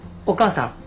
叔母さん？